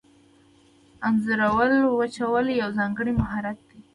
د انځرو وچول یو ځانګړی مهارت دی.